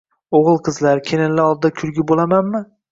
O‘g‘il-qizlar, kelinlar oldida kulgi bo‘lamanmi